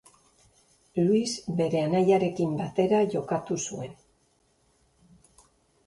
Luis bere anaiarekin batera jokatu zuen.